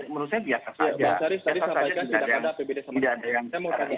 bung saris tadi sampaikan tidak ada apbd sama sekali